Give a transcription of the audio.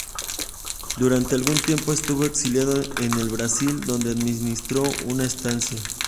Durante algún tiempo estuvo exiliado en el Brasil, donde administró una estancia.